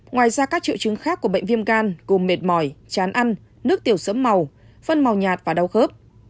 ngoài ra các triệu chứng khác của bệnh viêm gan gồm mệt mỏi chán ăn nước tiểu sẫm màu phân màu nhạt và đau khớp